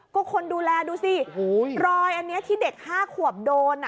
ก็คนดูแลดูสิรอยอันนี้ที่เด็ก๕ขวบโดน